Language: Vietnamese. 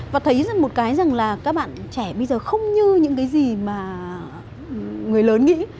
và thấy rằng một cái rằng là các bạn trẻ bây giờ không như những cái gì mà người lớn nghĩ